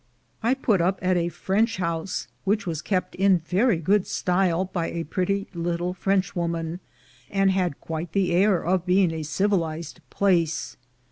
I put up at a French house, which was kept in very good style by a pretty little Frenchwoman, and had quite the air of being a civilized place.